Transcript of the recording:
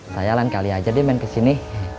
saya lain kali aja deh main kesini